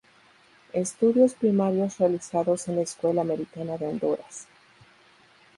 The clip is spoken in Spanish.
Estudios primarios realizados en la Escuela Americana de Honduras.